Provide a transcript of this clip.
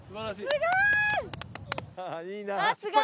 すごーい！